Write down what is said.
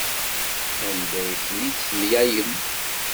Anda ay ten-id-temlalem?